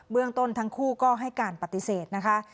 เรื่องต้นทั้งคู่ก็ให้การปฏิเสธนะคะ